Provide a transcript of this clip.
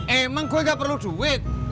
emang gue gak perlu duit